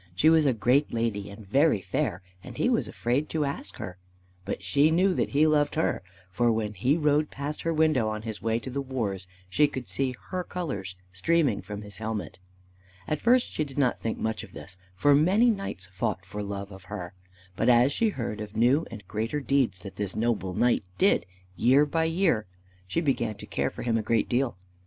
She was a great lady and very fair, and he was afraid to ask her. But she knew that he loved her, for when he rode past her window on his way to the wars, she could see her colors streaming from his helmet. At first she did not think much of this, for many knights fought for love of her; but as she heard of new and greater deeds that this noble knight did year by year, she began to care for him a great deal.